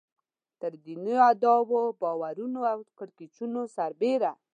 تر دیني ادعاوو، باورونو او کړکېچونو سربېره.